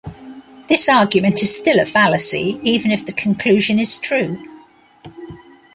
This argument is still a fallacy even if the conclusion is true.